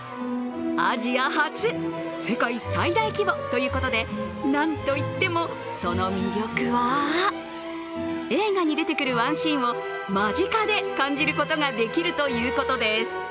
アジア初、世界最大規模ということで、なんといっても、その魅力は映画に出てくるワンシーンを間近で感じることができるということです。